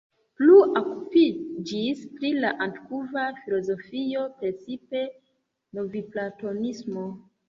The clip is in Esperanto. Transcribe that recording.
Plu okupiĝis pri la antikva filozofio, precipe novplatonismo.